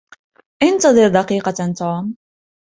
إنتظر دقيقة, توم!